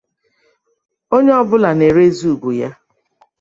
Onye ọbụla na-erezị ugwu ya